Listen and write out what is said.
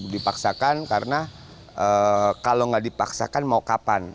dipaksakan karena kalau nggak dipaksakan mau kapan